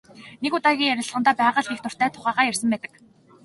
Нэг удаагийн ярилцлагадаа байгальд их дуртай тухайгаа ярьсан байдаг.